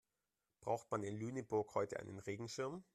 Braucht man in Lüneburg heute einen Regenschirm?